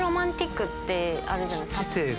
あるじゃないですか。